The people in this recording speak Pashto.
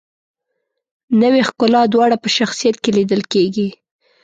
نوې ښکلا دواړه په شخصیت کې لیدل کیږي.